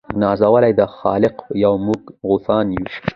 نازولي د خالق یو موږ غوثان یو